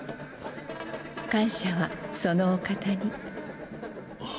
感謝はそのお方に。